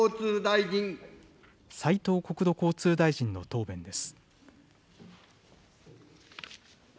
斉藤国土交通大臣の答弁です。